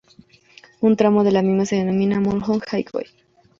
Un tramo de la misma se denomina Mulholland Highway.